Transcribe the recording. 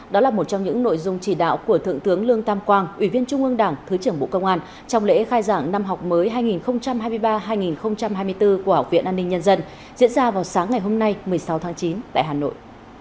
đó là một trong những nội dung chỉ đạo của thượng tướng lương tam quang ủy viên trung ương đảng thứ trưởng bộ công an trong lễ khai giảng năm học mới hai nghìn hai mươi ba hai nghìn hai mươi bốn của học viện an ninh nhân dân diễn ra vào sáng ngày hôm nay một mươi sáu tháng chín tại hà nội